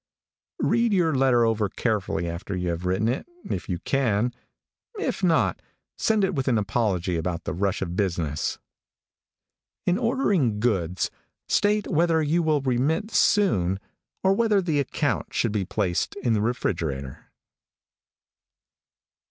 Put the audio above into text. Read your letter over carefully after you have written it, if you can; if not, send it with an apology about the rush of business. In ordering goods, state whether you will remit soon or whether the account should be placed in the refrigerator.